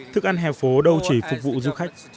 thức ăn hè phố đâu chỉ phục vụ du khách